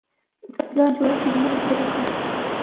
زه پلان جوړوم چې ژمنه پوره کړم.